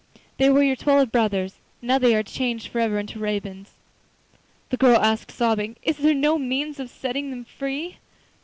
They were your twelve brothers. Now they are changed for ever into ravens.' The girl asked, sobbing: 'Is there no means of setting them free?